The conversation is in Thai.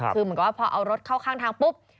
คือเหมือนกับว่าพอเอารถเข้าข้างทางปุ๊บ